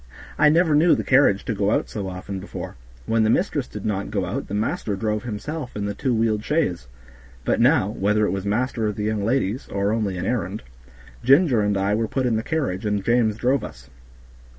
I never knew the carriage to go out so often before; when the mistress did not go out the master drove himself in the two wheeled chaise; but now, whether it was master or the young ladies, or only an errand, Ginger and I were put in the carriage and James drove us.